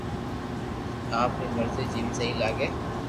آپ ري مرزو جيم سھي لاگي